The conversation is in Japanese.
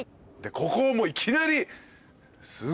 ここいきなり。